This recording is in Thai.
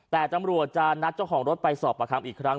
แต่ตำรวจจะนัดเจ้าของรถไปสอบประคัมอีกครั้ง